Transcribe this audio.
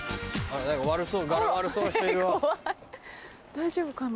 大丈夫かな？